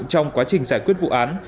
trong quá trình giải quyết vụ án